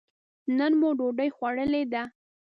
نن مو ډوډۍ خوړلې ده.